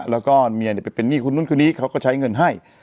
แล้วก็เมียไปเป็นหนี้คนนู้นคนนี้เขาก็ใช้เงินให้